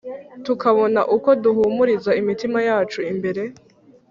tukabona uko duhumuriza imitima yacu imbere